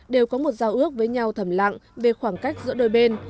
đều có một giao ước với nhau thầm lặng về khoảng cách giữa đôi bên